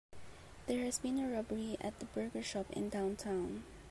There has been a robbery at the burger shop in downtown.